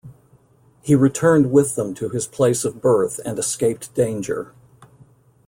He returned with them to his place of birth and escaped danger.